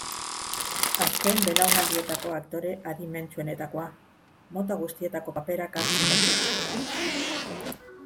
Azken belaunaldietako aktore adimentsuenetakoa, mota guztietako paperak hartzen baititu.